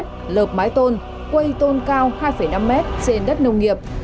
ông đã lợp mái tôn quây tôn cao hai năm m trên đất nông nghiệp